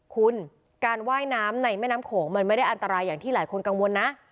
คุณการว่ายน้ำในแม่น้ำโขงมันไม่ได้อันตรายอย่างที่หลายคนกังวลนะ